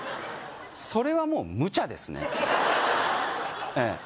それはもうムチャですねええ